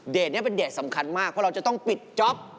นี้เป็นเดทสำคัญมากเพราะเราจะต้องปิดจ๊อป